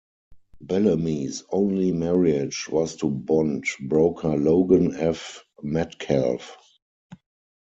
Bellamy's only marriage was to bond broker Logan F. Metcalf.